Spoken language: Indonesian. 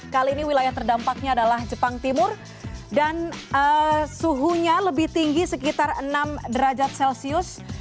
kali ini wilayah terdampaknya adalah jepang timur dan suhunya lebih tinggi sekitar enam derajat celcius